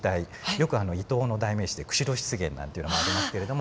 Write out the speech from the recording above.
よくイトウの代名詞で釧路湿原なんていうのもありますけれども。